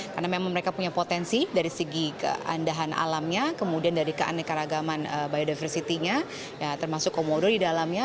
karena memang mereka punya potensi dari segi keandahan alamnya kemudian dari keaneka ragaman biodiversitinya termasuk komodo di dalamnya